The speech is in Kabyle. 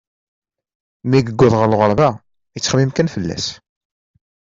Mi yuweḍ ɣer lɣerba, yettxemmim kan fell-as.